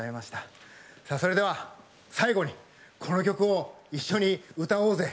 さあそれでは最後にこの曲を一緒に歌おうぜ！